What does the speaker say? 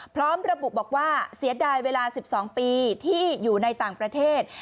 พร้อมระบุบอกว่าเสียดายเวลา๑๒ปีที่อยู่ในต่างประเทศ